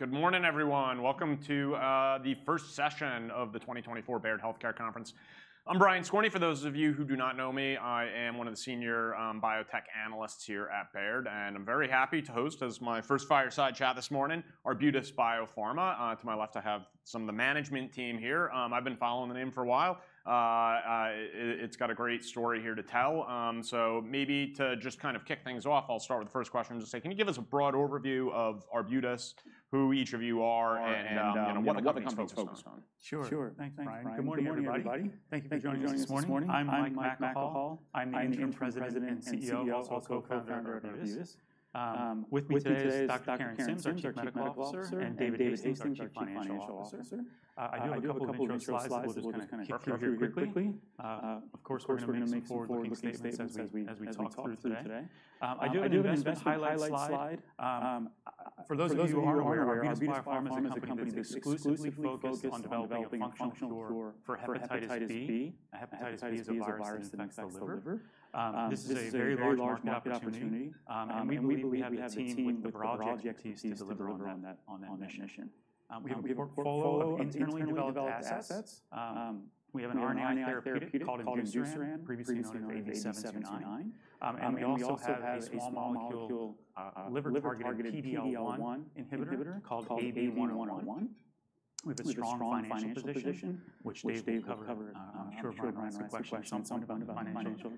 Good morning, everyone. Welcome to the first session of the 2024 Baird Healthcare Conference. I'm Brian Skorney, for those of you who do not know me. I am one of the Senior Biotech Analysts here at Baird, and I'm very happy to host, as my first fireside chat this morning, Arbutus Biopharma. To my left, I have some of the management team here. I've been following the name for a while. It's got a great story here to tell. So maybe to just kind of kick things off, I'll start with the first question and just say, can you give us a broad overview of Arbutus, who each of you are, and, you know, what the company's focused on? Sure. Sure. Thanks, Brian. Good morning, everybody. Thank you for joining us this morning. I'm Mike McElhaugh. I'm the Interim President and CEO, also Co-Founder of Arbutus. With me today is Dr. Karen Sims, our Chief Medical Officer, and David Hastings, our Chief Financial Officer. I do have a couple of intro slides that we'll just kinda kick through here quickly. Of course, we're gonna make some forward-looking statements as we talk through today. I do have an investment highlight slide. For those of you who aren't aware, Arbutus Biopharma is a company that is exclusively focused on developing a functional cure for hepatitis B. Hepatitis B is a virus that affects the liver. This is a very large market opportunity, and we believe we have the team with the project expertise to deliver on that mission. We have a portfolio of internally developed assets. We have an RNAi therapeutic called Imdusiran, previously known as AB-729. And we also have a small molecule, liver-targeted PD-L1 inhibitor called AB-101. We have a strong financial position, which David will cover. I'm sure Brian will ask a question at some point about the financial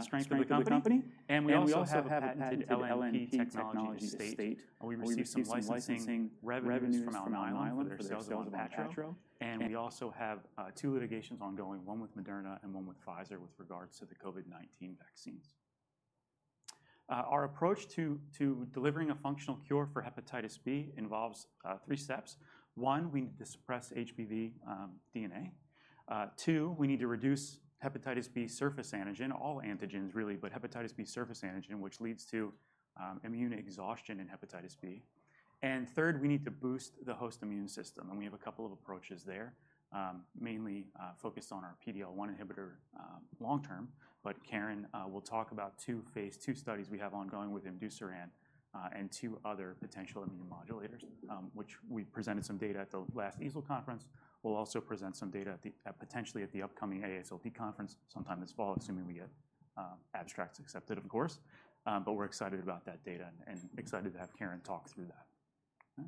strength of the company. And we also have a patented LNP technology estate, and we receive some licensing revenues from Alnylam for their sales of ONPATTRO. And we also have two litigations ongoing, one with Moderna and one with Pfizer, with regards to the COVID-19 vaccines. Our approach to delivering a functional cure for hepatitis B involves three steps. One, we need to suppress HBV DNA. Two, we need to reduce hepatitis B surface antigen, all antigens really, but hepatitis B surface antigen, which leads to immune exhaustion in hepatitis B. And third, we need to boost the host immune system, and we have a couple of approaches there, mainly focused on our PD-L1 inhibitor long term. But Karen will talk about two phase II studies we have ongoing with Imdusiran and two other potential immune modulators, which we presented some data at the last EASL conference. We'll also present some data potentially at the upcoming AASLD conference sometime this fall, assuming we get abstracts accepted, of course. But we're excited about that data and excited to have Karen talk through that.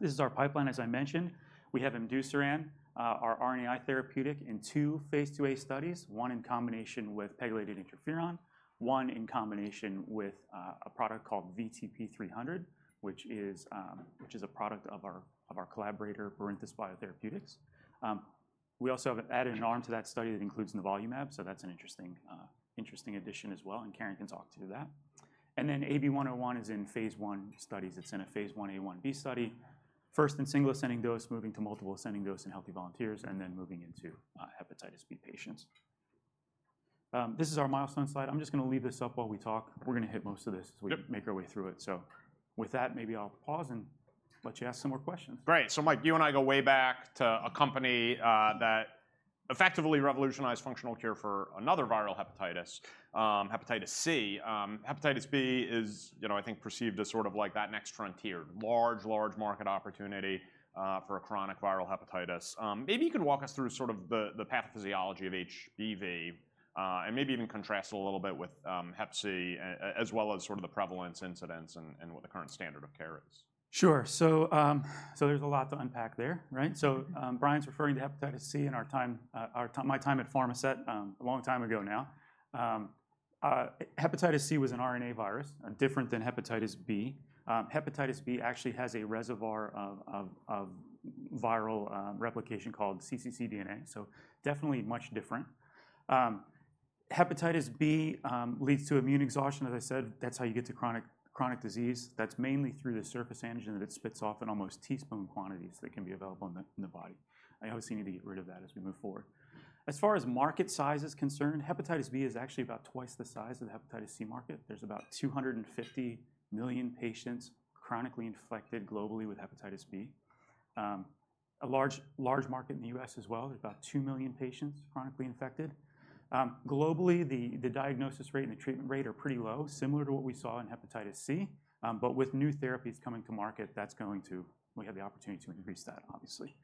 This is our pipeline, as I mentioned. We have Imdusiran, our RNAi therapeutic, in two phase II-A studies, one in combination with pegylated interferon, one in combination with a product called VTP-300, which is a product of our collaborator, Barinthus Biotherapeutics. We also have added an arm to that study that includes Nivolumab, so that's an interesting addition as well, and Karen can talk to that. And then AB-101 is in phase I studies. It's in a phase I-A/1-B study. First in single-ascending dose, moving to multiple-ascending dose in healthy volunteers, and then moving into hepatitis B patients. This is our milestone slide. I'm just gonna leave this up while we talk. We're gonna hit most of this- Yep... as we make our way through it. So with that, maybe I'll pause and let you ask some more questions. Great! So Mike, you and I go way back to a company that effectively revolutionized functional cure for another viral hepatitis, hepatitis C. Hepatitis B is, you know, I think perceived as sort of like that next frontier. Large market opportunity for a chronic viral hepatitis. Maybe you can walk us through sort of the pathophysiology of HBV and maybe even contrast it a little bit with hep C as well as sort of the prevalence, incidence, and what the current standard of care is. Sure. So, there's a lot to unpack there, right? Mm-hmm. So, Brian's referring to hepatitis C in our time, my time at Pharmasset, a long time ago now. Hepatitis C was an RNA virus, different than hepatitis B. Hepatitis B actually has a reservoir of viral replication called cccDNA, so definitely much different. Hepatitis B leads to immune exhaustion, as I said. That's how you get to chronic disease. That's mainly through the surface antigen that it spits off in almost teaspoon quantities that can be available in the body. And obviously, we need to get rid of that as we move forward. As far as market size is concerned, hepatitis B is actually about twice the size of the hepatitis C market. There's about 250 million patients chronically infected globally with hepatitis B. A large market in the U.S. as well. There's about two million patients chronically infected. Globally, the diagnosis rate and the treatment rate are pretty low, similar to what we saw in hepatitis C. But with new therapies coming to market, that's going to. We have the opportunity to increase that, obviously.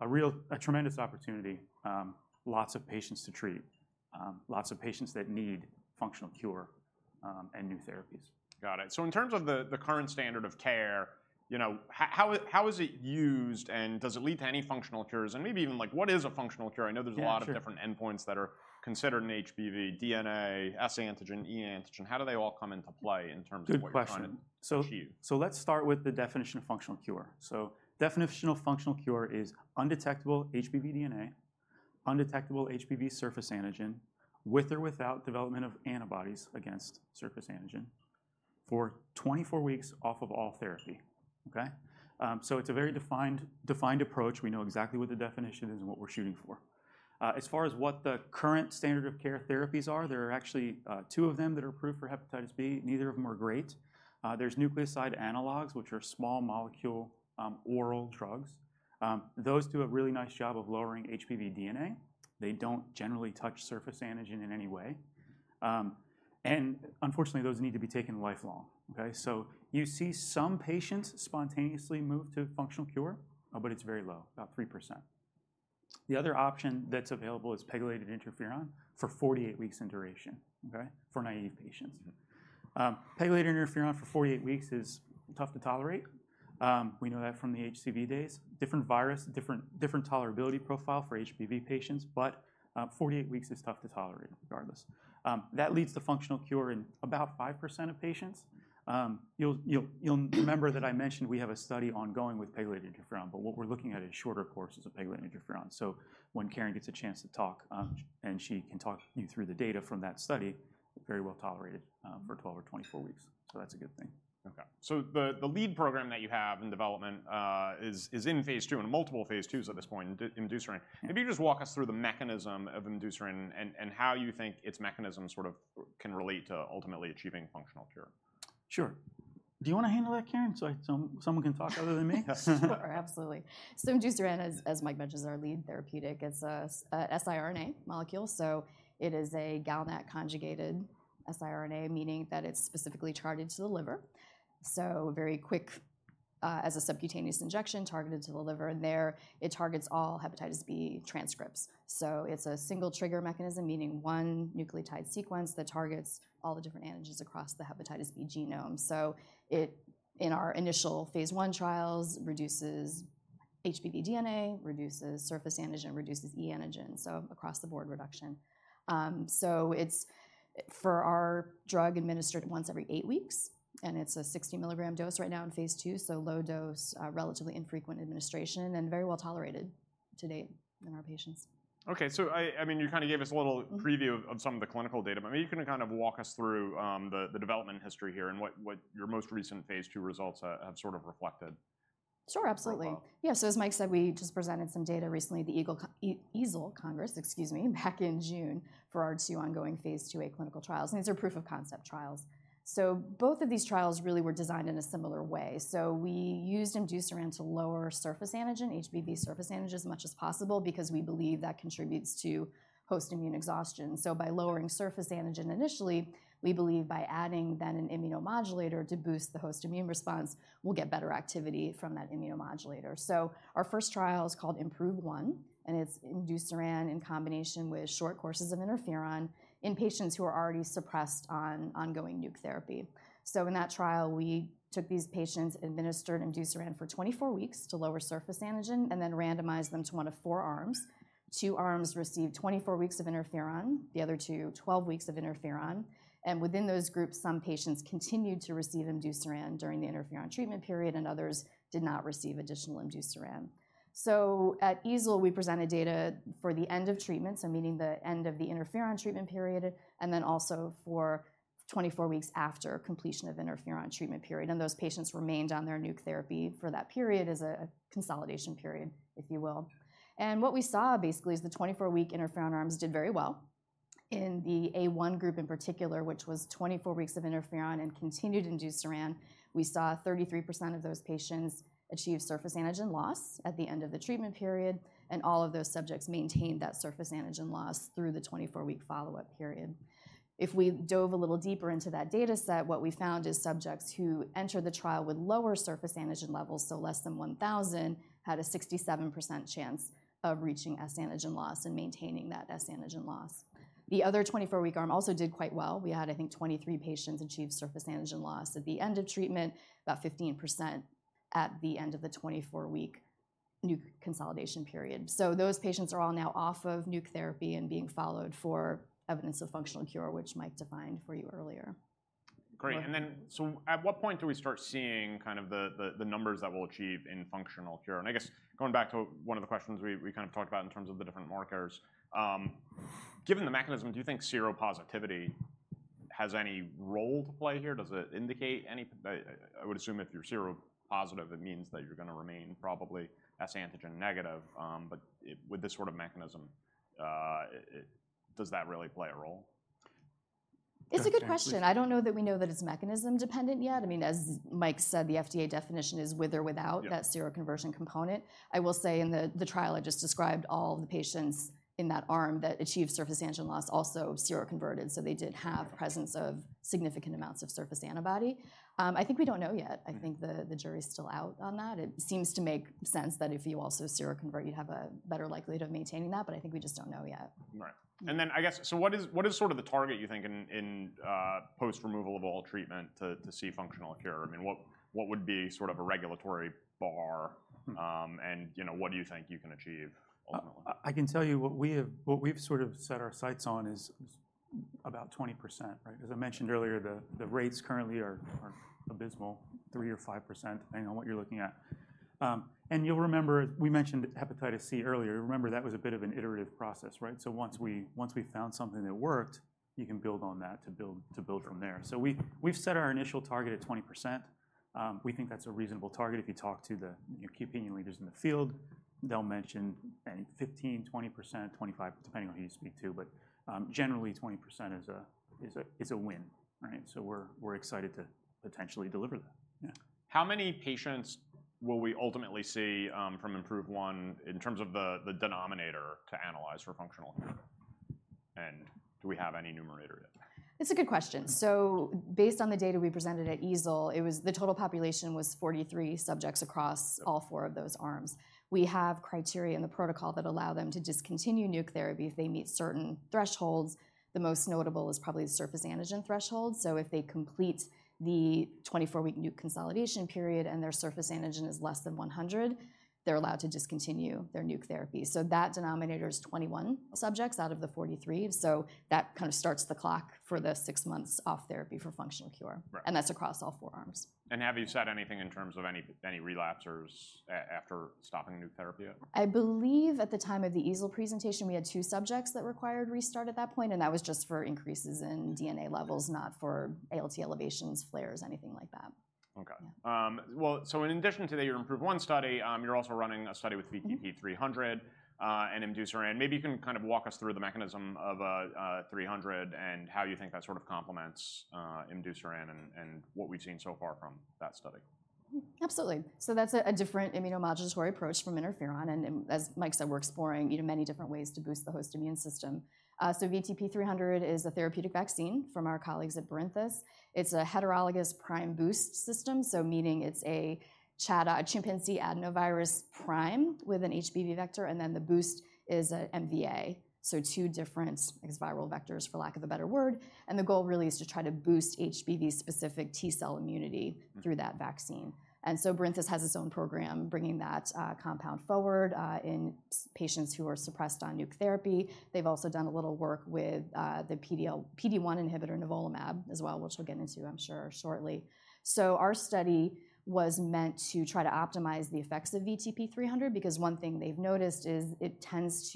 A real, a tremendous opportunity, lots of patients to treat, lots of patients that need functional cure, and new therapies. Got it. So in terms of the current standard of care, you know, how is it used, and does it lead to any functional cures? And maybe even, like, what is a functional cure? Yeah, sure. I know there's a lot of different endpoints that are considered in HBV: DNA, S antigen, e antigen. How do they all come into play in terms of what- Good question... you're trying to achieve? So, let's start with the definition of functional cure. Definition of functional cure is undetectable HBV DNA, undetectable HBV surface antigen, with or without development of antibodies against surface antigen, for 24 weeks off of all therapy. Okay? So it's a very defined approach. We know exactly what the definition is and what we're shooting for. As far as what the current standard of care therapies are, there are actually two of them that are approved for hepatitis B. Neither of them are great. There's nucleoside analogues, which are small molecule oral drugs. Those do a really nice job of lowering HBV DNA. They don't generally touch surface antigen in any way... and unfortunately, those need to be taken lifelong, okay? So you see some patients spontaneously move to functional cure, but it's very low, about 3%. The other option that's available is pegylated interferon for 48 weeks in duration, okay, for naive patients. Pegylated interferon for 48 weeks is tough to tolerate. We know that from the HCV days. Different virus, different tolerability profile for HBV patients, but 48 weeks is tough to tolerate regardless. That leads to functional cure in about 5% of patients. You'll remember that I mentioned we have a study ongoing with pegylated interferon, but what we're looking at is shorter courses of pegylated interferon. So when Karen gets a chance to talk, and she can talk you through the data from that study. Very well tolerated for 12 or 24 weeks, so that's a good thing. Okay. So the lead program that you have in development is in phase II, and multiple phase IIs at this point, Imdusiran. If you just walk us through the mechanism of Imdusiran and how you think its mechanism sort of can relate to ultimately achieving functional cure. Sure. Do you wanna handle that, Karen? So, someone can talk other than me. Sure. Absolutely. So Imdusiran, as Mike mentioned, is our lead therapeutic. It's a siRNA molecule, so it is a galNAc conjugated siRNA, meaning that it's specifically targeted to the liver. So very quick, as a subcutaneous injection targeted to the liver, and there it targets all hepatitis B transcripts. So it's a single trigger mechanism, meaning one nucleotide sequence that targets all the different antigens across the hepatitis B genome. So it, in our initial phase I trials, reduces HBV DNA, reduces surface antigen, reduces e antigen, so across the board reduction. So it's, for our drug, administered once every eight weeks, and it's a 60 milligram dose right now in phase II, so low dose, relatively infrequent administration, and very well tolerated to date in our patients. Okay, so I mean, you kind of gave us a little- Mm-hmm... preview of some of the clinical data, but maybe you can kind of walk us through the development history here and what your most recent phase II results have sort of reflected. Sure, absolutely. Very well. Yeah, so as Mike said, we just presented some data recently at EASL Congress, excuse me, back in June, for our two ongoing phase 2-A clinical trials, and these are proof of concept trials, so both of these trials really were designed in a similar way, so we used Imdusiran to lower surface antigen, HBV surface antigen, as much as possible because we believe that contributes to host immune exhaustion, so by lowering surface antigen initially, we believe by adding then an immunomodulator to boost the host immune response, we'll get better activity from that immunomodulator, so our first trial is called IM-PROVE I, and it's Imdusiran in combination with short courses of interferon in patients who are already suppressed on ongoing nuke therapy. In that trial, we took these patients, administered Imdusiran for 24 weeks to lower surface antigen and then randomized them to one of four arms. Two arms received 24 weeks of interferon, the other two, 12 weeks of interferon, and within those groups, some patients continued to receive Imdusiran during the interferon treatment period, and others did not receive additional Imdusiran. At EASL, we presented data for the end of treatment, so meaning the end of the interferon treatment period, and then also for 24 weeks after completion of interferon treatment period, and those patients remained on their nuke therapy for that period as a consolidation period, if you will. What we saw basically is the 24-week interferon arms did very well. In the A one group in particular, which was 24 weeks of interferon and continued Imdusiran, we saw 33% of those patients achieve surface antigen loss at the end of the treatment period, and all of those subjects maintained that surface antigen loss through the 24 week follow-up period. If we dove a little deeper into that data set, what we found is subjects who entered the trial with lower surface antigen levels, so less than 1,000, had a 67% chance of reaching S antigen loss and maintaining that S antigen loss. The other 24 week arm also did quite well. We had, I think, 23 patients achieve surface antigen loss at the end of treatment, about 15% at the end of the 24 week nuke consolidation period. Those patients are all now off of nuke therapy and being followed for evidence of functional cure, which Mike defined for you earlier. Great, and then, so at what point do we start seeing kind of the numbers that we'll achieve in functional cure? And I guess going back to one of the questions we kind of talked about in terms of the different markers, given the mechanism, do you think seropositivity has any role to play here? Does it indicate any... I would assume if you're seropositive, it means that you're gonna remain probably S antigen negative, but with this sort of mechanism, does that really play a role? It's a good question. I don't know that we know that it's mechanism dependent yet. I mean, as Mike said, the FDA definition is with or without- Yeah... that seroconversion component. I will say in the trial I just described, all of the patients in that arm that achieved surface antigen loss also seroconverted, so they did have presence of significant amounts of surface antibody. I think we don't know yet. Mm-hmm. I think the jury's still out on that. It seems to make sense that if you also seroconvert, you'd have a better likelihood of maintaining that, but I think we just don't know yet. Right. And then I guess, so what is sort of the target, you think, in, post-removal of all treatment to see functional cure? I mean, what would be sort of a regulatory bar? And, you know, what do you think you can achieve ultimately? I can tell you what we've sort of set our sights on is about 20%, right? As I mentioned earlier, the rates currently are abysmal, 3% or 5%, depending on what you're looking at. And you'll remember, we mentioned hepatitis C earlier. Remember, that was a bit of an iterative process, right? So once we found something that worked, you can build on that, to build from there. So we've set our initial target at 20%. We think that's a reasonable target. If you talk to your opinion leaders in the field, they'll mention 15%, 20%, 25%, depending on who you speak to, but generally, 20% is a win, right? So we're excited to potentially deliver that. Yeah. How many patients will we ultimately see from IM-PROVE I in terms of the denominator to analyze for functional cure? And do we have any numerator yet? It's a good question. So based on the data we presented at EASL, it was the total population was 43 subjects across all four of those arms. We have criteria in the protocol that allow them to discontinue nuke therapy if they meet certain thresholds. The most notable is probably the surface antigen threshold. So if they complete the 24-week nuke consolidation period, and their surface antigen is less than 100, they're allowed to discontinue their nuke therapy. So that denominator is 21 subjects out of the 43. So that kind of starts the clock for the six months off therapy for functional cure. Right. And that's across all four arms. Have you said anything in terms of any relapsers after stopping nuke therapy? I believe at the time of the EASL presentation, we had two subjects that required restart at that point, and that was just for increases in DNA levels, not for ALT elevations, flares, anything like that. Okay. Yeah. Well, so in addition to your IM-PROVE I study, you're also running a study with- Mm-hmm. VTP-300 and Imdusiran. Maybe you can kind of walk us through the mechanism of 300, and how you think that sort of complements Imdusiran and what we've seen so far from that study. Absolutely. So that's a different immunomodulatory approach from interferon, and as Mike said, we're exploring, you know, many different ways to boost the host immune system. So VTP-300 is a therapeutic vaccine from our colleagues at Barinthus. It's a heterologous prime-boost system, so meaning it's a chimpanzee adenovirus prime with an HBV vector, and then the boost is an MVA. So two different viral vectors, for lack of a better word. And the goal really is to try to boost HBV-specific T cell immunity. Mm-hmm. through that vaccine. And so Barinthus has its own program, bringing that compound forward in patients who are suppressed on nuke therapy. They've also done a little work with the PD-1 inhibitor Nivolumab as well, which we'll get into, I'm sure, shortly. So our study was meant to try to optimize the effects of VTP-300, because one thing they've noticed is it tends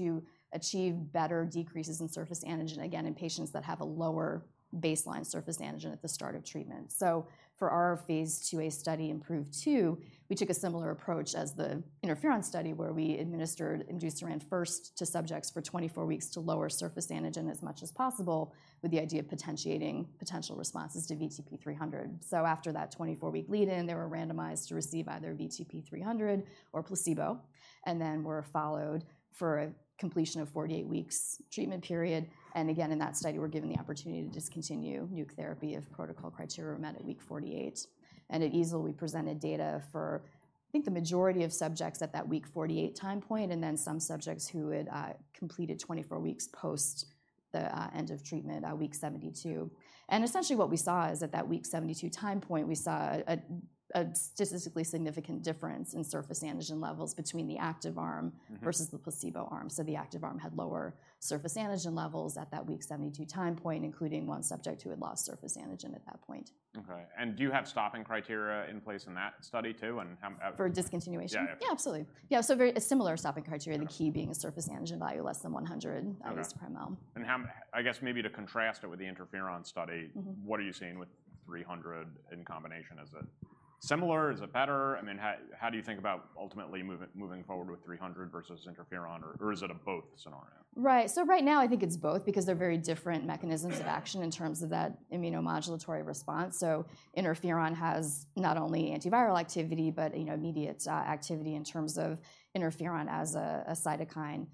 to achieve better decreases in surface antigen, again, in patients that have a lower baseline surface antigen at the start of treatment. So for our phase II-A study, IM-PROVE II, we took a similar approach as the interferon study, where we administered Imdusiran first to subjects for 24 weeks to lower surface antigen as much as possible, with the idea of potentiating potential responses to VTP-300. After that 24-week lead-in, they were randomized to receive either VTP-300 or placebo, and then were followed for a completion of 48 weeks treatment period. Again, in that study, were given the opportunity to discontinue nuke therapy if protocol criteria were met at week 48. At EASL, we presented data for, I think, the majority of subjects at that week 48 time point, and then some subjects who had completed 24 weeks post the end of treatment week 72. Essentially what we saw is at that week 72 time point, we saw a statistically significant difference in surface antigen levels between the active arm- Mm-hmm. versus the placebo arm. So the active arm had lower surface antigen levels at that week 72 time point, including one subject who had lost surface antigen at that point. Okay, and do you have stopping criteria in place in that study, too? And how, For discontinuation? Yeah, yeah. Yeah, absolutely. Yeah, so very similar stopping criteria. Okay. The key being a surface antigen value less than 100. Okay - out of this per mL. And how I guess maybe to contrast it with the interferon study. Mm-hmm. What are you seeing with VTP-300 in combination? Is it similar? Is it better? I mean, how do you think about ultimately moving forward with VTP-300 versus interferon, or is it a both scenario? Right. So right now, I think it's both because they're very different mechanisms of action. Mm-hmm. - in terms of that immunomodulatory response. Interferon has not only antiviral activity, but, you know, immediate activity in terms of interferon as a cytokine.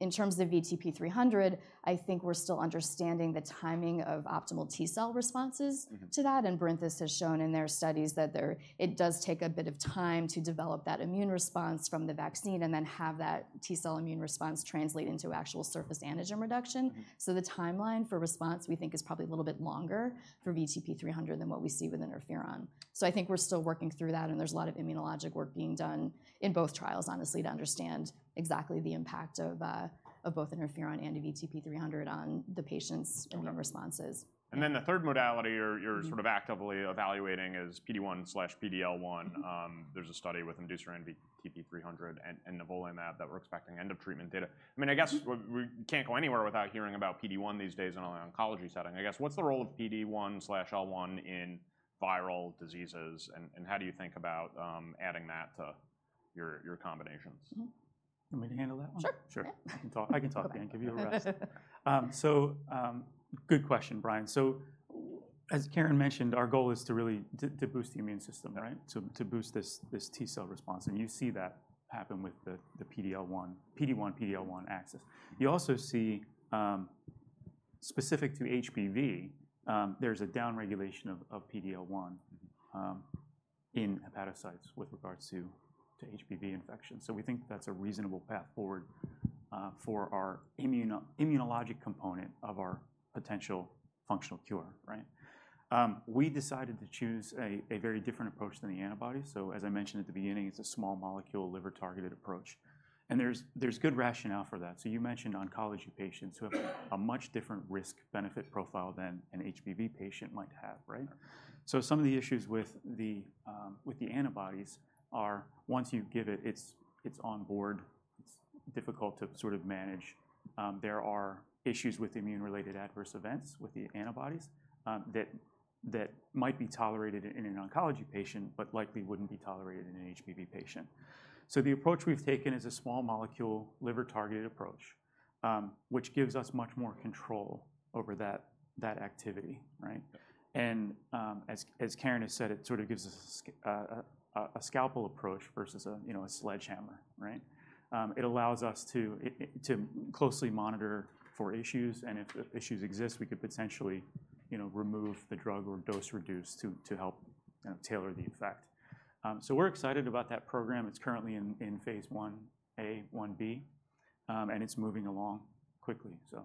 In terms of VTP-300, I think we're still understanding the timing of optimal T cell responses- Mm-hmm - to that. And Barinthus has shown in their studies that it does take a bit of time to develop that immune response from the vaccine and then have that T cell immune response translate into actual surface antigen reduction. Mm-hmm. So the timeline for response, we think, is probably a little bit longer for VTP-300 than what we see with interferon. So I think we're still working through that, and there's a lot of immunologic work being done in both trials, honestly, to understand exactly the impact of both interferon and of VTP-300 on the patients. Mm-hmm - and their responses. And then the third modality you're- Mm-hmm sort of actively evaluating is PD-1/PD-L1. Mm-hmm. There's a study with Imdusiran, VTP-300 and Nivolumab that we're expecting end-of-treatment data. Mm-hmm. I mean, I guess we can't go anywhere without hearing about PD-1 these days in an oncology setting. I guess, what's the role of PD-1/L1 in viral diseases, and how do you think about adding that to your combinations? Mm-hmm. You want me to handle that one? Sure. Sure. Yeah. I can talk. I can talk and give you a rest. So, good question, Brian. So as Karen mentioned, our goal is to really to boost the immune system, right? To boost this T cell response, and you see that happen with the PD-L1, PD-1, PD-L1 axis. You also see specific to HBV, there's a downregulation of PD-L1- Mm-hmm... in hepatocytes with regards to HBV infection. So we think that's a reasonable path forward for our immunologic component of our potential functional cure, right? We decided to choose a very different approach than the antibody. So as I mentioned at the beginning, it's a small-molecule, liver-targeted approach, and there's good rationale for that. So you mentioned oncology patients who have a much different risk-benefit profile than an HBV patient might have, right? Sure. So some of the issues with the antibodies are once you give it, it's on board. It's difficult to sort of manage. There are issues with immune-related adverse events with the antibodies that might be tolerated in an oncology patient but likely wouldn't be tolerated in an HBV patient. So the approach we've taken is a small-molecule, liver-targeted approach, which gives us much more control over that activity, right? Yeah. As Karen has said, it sort of gives us a scalpel approach versus a sledgehammer, you know, right? It allows us to closely monitor for issues, and if the issues exist, we could potentially, you know, remove the drug or dose reduce to help, you know, tailor the effect. We're excited about that program. It's currently in phase I-A/I-B, and it's moving along quickly. Yeah.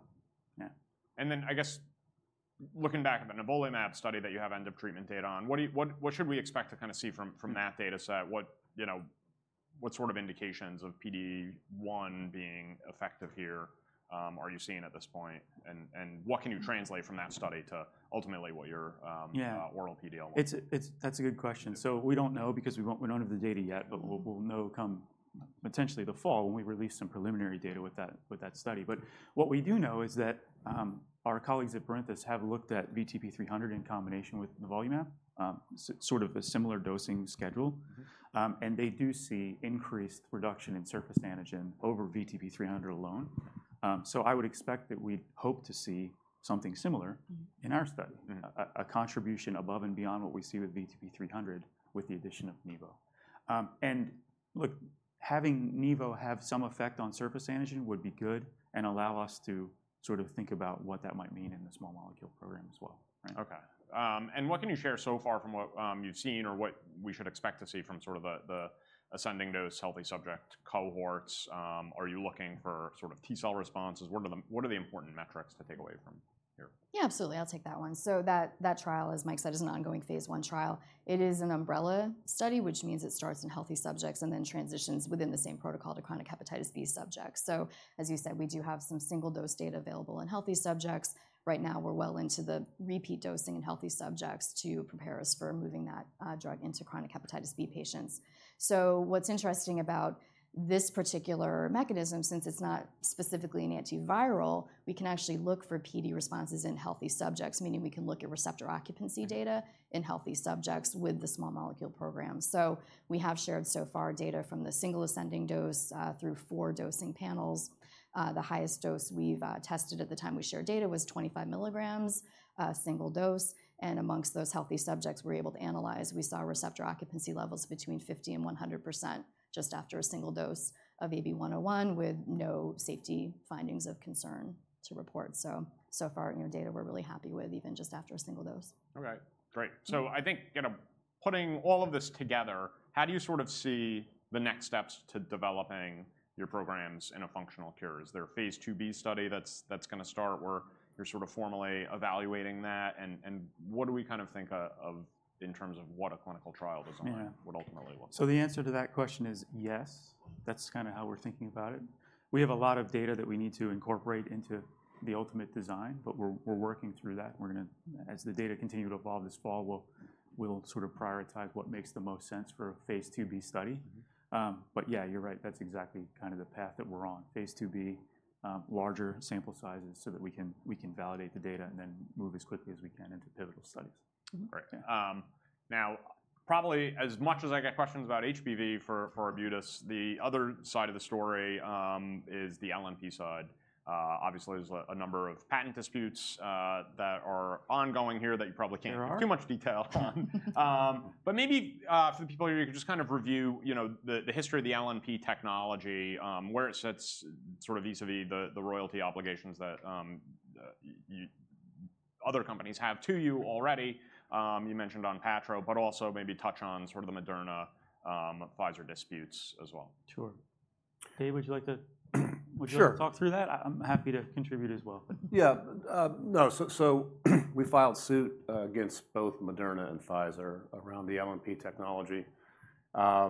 And then, I guess, looking back at the Nivolumab study that you have end of treatment data on, what do you, what should we expect to kind of see from that data set? What, you know, what sort of indications of PD-1 being effective here, are you seeing at this point? And what can you translate from that study to ultimately what your Yeah... oral PD-L1 will be? That's a good question. So we don't know because we don't have the data yet, but we'll know come potentially the fall when we release some preliminary data with that study. But what we do know is that our colleagues at Barinthus have looked at VTP-300 in combination with Nivolumab, sort of a similar dosing schedule. Mm-hmm. And they do see increased reduction in surface antigen over VTP-300 alone. So I would expect that we'd hope to see something similar- Mm-hmm... in our study. Mm-hmm. A contribution above and beyond what we see with VTP-300, with the addition of Nivo. And look, having Nivo have some effect on surface antigen would be good and allow us to sort of think about what that might mean in the small molecule program as well, right? Okay. And what can you share so far from what you've seen or what we should expect to see from sort of the ascending-dose healthy subject cohorts? Are you looking for sort of T cell responses? What are the important metrics to take away from here? Yeah, absolutely. I'll take that one. So that trial, as Mike said, is an ongoing phase I trial. It is an umbrella study, which means it starts in healthy subjects and then transitions within the same protocol to chronic hepatitis B subjects. So as you said, we do have some single-dose data available in healthy subjects. Right now, we're well into the repeat dosing in healthy subjects to prepare us for moving that drug into chronic hepatitis B patients. So what's interesting about this particular mechanism, since it's not specifically an antiviral, we can actually look for PD responses in healthy subjects, meaning we can look at receptor occupancy data in healthy subjects with the small molecule program. So we have shared so far data from the single ascending dose through four dosing panels. The highest dose we've tested at the time we shared data was 25 mg, single dose, and amongst those healthy subjects we were able to analyze, we saw receptor occupancy levels between 50% and 100% just after a single dose of AB-101, with no safety findings of concern to report, so far, you know, data we're really happy with, even just after a single dose. All right. Great. Mm-hmm. So I think, you know, putting all of this together, how do you sort of see the next steps to developing your programs in a functional cure? Is there a phase II-B study that's gonna start, where you're sort of formally evaluating that? And what do we kind of think of, in terms of what a clinical trial design- Yeah... would ultimately look like? So the answer to that question is yes. That's kind of how we're thinking about it. We have a lot of data that we need to incorporate into the ultimate design, but we're working through that. We're gonna... As the data continue to evolve this fall, we'll sort of prioritize what makes the most sense for a phase II-B study. Mm-hmm. But yeah, you're right. That's exactly kind of the path that we're on, phase II-B, larger sample sizes so that we can validate the data and then move as quickly as we can into pivotal studies. Mm-hmm. Great. Yeah. Now, probably as much as I get questions about HBV for Arbutus, the other side of the story is the LNP side. Obviously, there's a number of patent disputes that are ongoing here that you probably can't- There are... go into too much detail on. But maybe, for the people here, you can just kind of review, you know, the history of the LNP technology, where it sits, sort of vis-a-vis the royalty obligations that other companies have to you already. You mentioned ONPATTRO, but also maybe touch on sort of the Moderna, Pfizer disputes as well. Sure. Dave, would you like to, Sure... would you like to talk through that? I'm happy to contribute as well. Yeah. No, so we filed suit against both Moderna and Pfizer around the LNP technology. A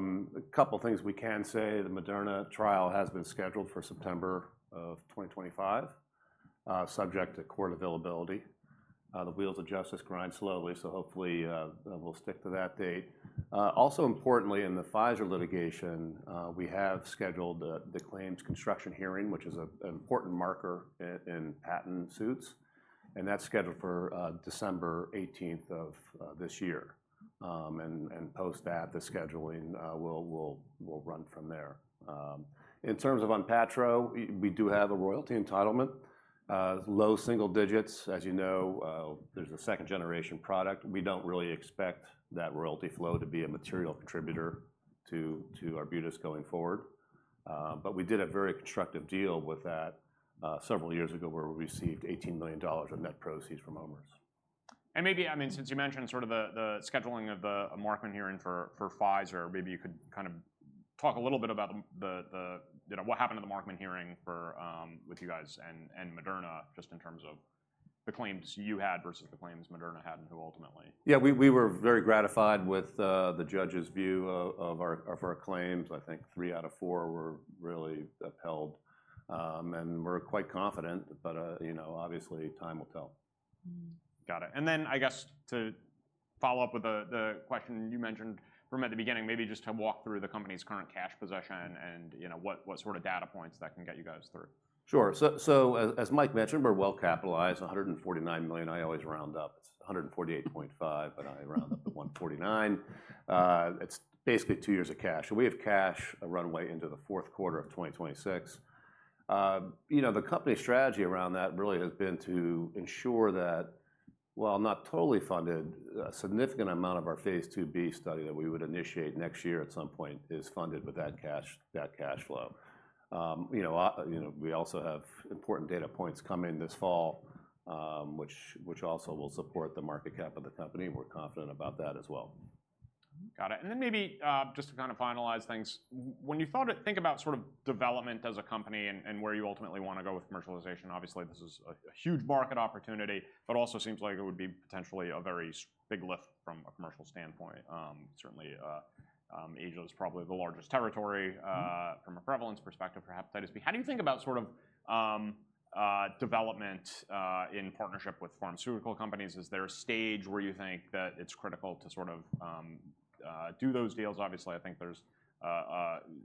couple of things we can say, the Moderna trial has been scheduled for September of 2025, subject to court availability. The wheels of justice grind slowly, so hopefully we'll stick to that date. Also importantly, in the Pfizer litigation, we have scheduled the claims construction hearing, which is an important marker in patent suits, and that's scheduled for December 18th of this year, and post that, the scheduling will run from there. In terms of ONPATTRO, we do have a royalty entitlement, low single digits. As you know, there's a 2nd-generation product. We don't really expect that royalty flow to be a material contributor to Arbutus going forward. But we did a very constructive deal with that, several years ago, where we received $18 million of net proceeds from OMERS. And maybe, I mean, since you mentioned sort of the scheduling of a Markman hearing for Pfizer, maybe you could kind of talk a little bit about you know what happened in the Markman hearing with you guys and Moderna, just in terms of the claims you had versus the claims Moderna had, and who ultimately- Yeah, we were very gratified with the judge's view of our claims. I think three out of four were really upheld, and we're quite confident, but you know, obviously, time will tell. Mm-hmm. Got it. And then, I guess, to follow up with the question you mentioned from the beginning, maybe just to walk through the company's current cash position and, you know, what sort of data points that can get you guys through. Sure. So as Mike mentioned, we're well capitalized, $149 million. I always round up. It's $148.5 million, but I round up to $149. It's basically two years of cash. So we have cash runway into the fourth quarter of 2026. You know, the company's strategy around that really has been to ensure that. Well, not totally funded. A significant amount of our phase II-B study that we would initiate next year at some point is funded with that cash, that cash flow. You know, we also have important data points coming this fall, which also will support the market cap of the company. We're confident about that as well. Got it. And then maybe just to kind of finalize things, when you think about sort of development as a company and where you ultimately want to go with commercialization, obviously, this is a huge market opportunity, but also seems like it would be potentially a very big lift from a commercial standpoint. Certainly, Asia is probably the largest territory- Mm-hmm. From a prevalence perspective for hepatitis B. How do you think about sort of development in partnership with pharmaceutical companies? Is there a stage where you think that it's critical to sort of do those deals? Obviously, I think there's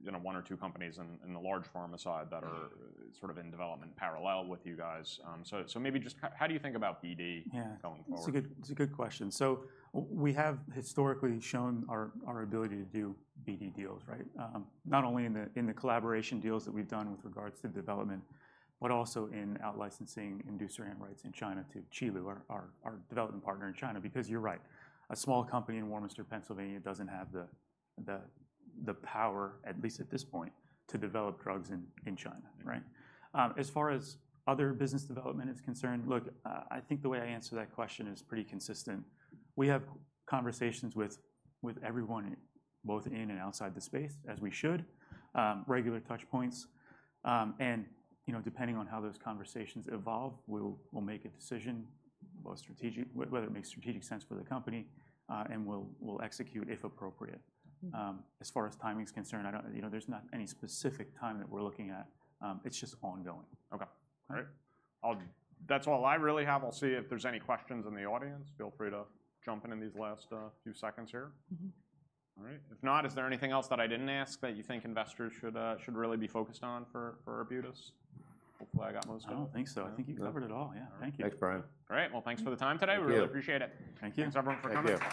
you know, one or two companies in the large pharma side that are sort of in development parallel with you guys. So maybe just how do you think about BD- Yeah. -going forward? It's a good, it's a good question. So we have historically shown our ability to do BD deals, right? Not only in the collaboration deals that we've done with regards to development, but also in out-licensing Imdusiran rights in China to Qilu, our development partner in China. Because you're right, a small company in Warminster, Pennsylvania, doesn't have the power, at least at this point, to develop drugs in China, right? As far as other business development is concerned, look, I think the way I answer that question is pretty consistent. We have conversations with everyone, both in and outside the space, as we should, regular touch points. You know, depending on how those conversations evolve, we'll make a decision whether it makes strategic sense for the company, and we'll execute if appropriate. As far as timing is concerned, I don't... you know, there's not any specific time that we're looking at. It's just ongoing. Okay. Great. I'll. That's all I really have. I'll see if there's any questions in the audience. Feel free to jump in these last few seconds here. Mm-hmm. All right. If not, is there anything else that I didn't ask that you think investors should should really be focused on for Arbutus? Hopefully, I got most of them. I don't think so. I think you covered it all. Yeah. Thank you. Thanks, Brian. All right. Well, thanks for the time today. Thank you. We really appreciate it. Thank you. Thanks, everyone, for coming. Thank you.